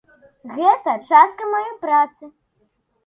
Гэта частка маёй працы.